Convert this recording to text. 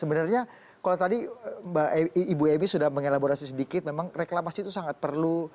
sebenarnya kalau tadi ibu emi sudah mengelaborasi sedikit memang reklamasi itu sangat perlu